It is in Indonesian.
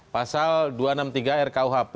pasal dua ratus enam puluh tiga rkuhp